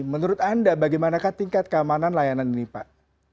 menurut anda bagaimanakah tingkat keamanan layanan ini pak